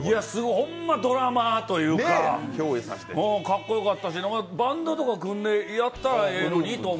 ほんまドラマーというかかっこよかったし、バンドとか組んでやったらええのに。